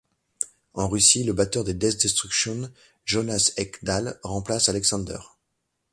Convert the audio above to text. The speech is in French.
En Russie, le batteur des Death Destruction Jonas Ekdahl remplace Alexander.